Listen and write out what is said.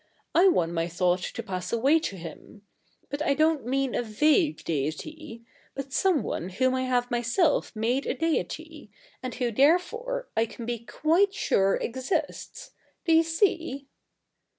I want my thought to pass away to him. But I don't mean a vague deity ; but some one whom I have myself made a deity, and who, therefore, I can be quite sure exists — do you see